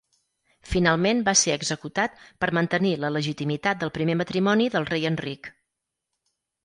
Finalment va ser executat per mantenir la legitimitat del primer matrimoni del rei Enric.